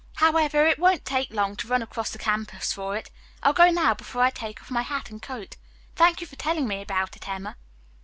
"However, it won't take long to run across the campus for it. I'll go now before I take off my hat and coat. Thank you for telling me about it, Emma."